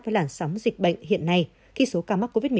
với làn sóng dịch bệnh hiện nay khi số ca mắc covid một mươi